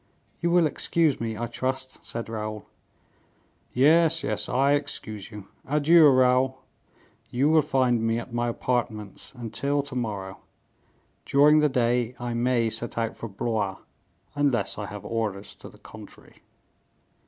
"You will excuse me, I trust," said Raoul. "Yes, yes, I excuse you; adieu, Raoul; you will find me at my apartments until to morrow; during the day I may set out for Blois, unless I have orders to the contrary."